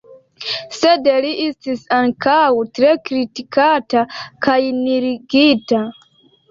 Sed li estis ankaŭ tre kritikata kaj nuligita.